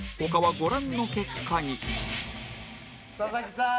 佐々木さん